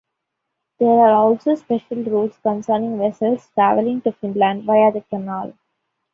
There are also special rules concerning vessels traveling to Finland via the canal.